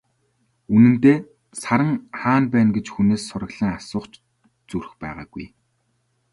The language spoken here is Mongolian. Үнэндээ, Саран хаана байна гэж хүнээс сураглан асуух ч зүрх байгаагүй.